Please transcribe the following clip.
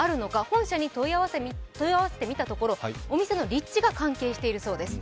本社に問い合わせてみたところお店の立地が関係しているそうです。